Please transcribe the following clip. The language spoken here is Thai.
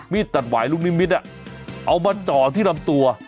ตัดหวายลูกนิมิตรเอามาจ่อที่ลำตัว